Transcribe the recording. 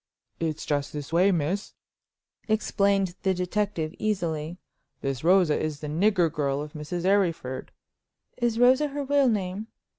"It's just this way, miss," explained the detective, easily. "This Rosa is the nigger girl of Mrs. Arryford—" "Is Rosa her real name?"